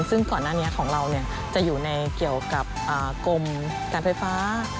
ซึ่งก่อนหน้านี้ของเราจะอยู่ในเกี่ยวกับกรมการไฟฟ้า